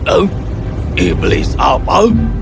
eh iblis apa